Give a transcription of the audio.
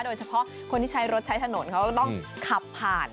โดยเฉพาะคนที่ใช้รถใช้ถนนเขาก็ต้องขับผ่าน